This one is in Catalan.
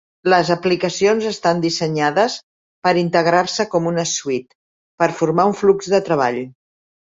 Les aplicacions estan dissenyades per integrar-se com una suite, per formar un flux de treball.